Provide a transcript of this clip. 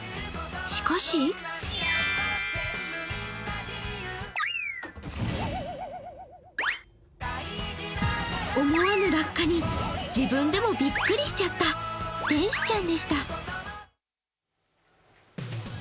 しかし思わぬ落下に自分でもびっくりしちゃった天使ちゃんでした。